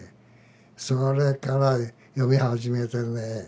それから読み始めてね。